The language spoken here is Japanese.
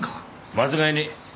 間違いねえ。